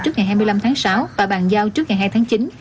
trước ngày hai mươi năm tháng sáu và bàn giao trước ngày hai tháng chín